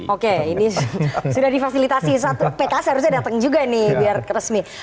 oke ini sudah difasilitasi satu pks harusnya datang juga nih biar resmi